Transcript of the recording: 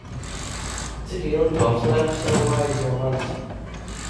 Cik ilgi Tu apslēpi savu vaigu no manis?